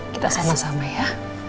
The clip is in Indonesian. kita sama sama ya